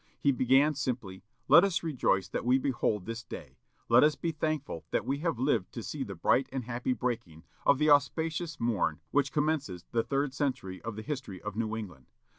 He began simply, "Let us rejoice that we behold this day. Let us be thankful that we have lived to see the bright and happy breaking of the auspicious morn which commences the third century of the history of New England....